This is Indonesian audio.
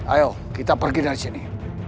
ayo kita pergi dari sini